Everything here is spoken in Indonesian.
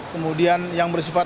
kemudian yang bersifat